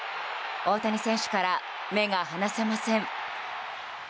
大谷選手から目が離せません。